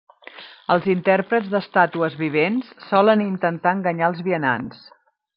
Els intèrprets d'estàtues vivents solen intentar enganyar als vianants.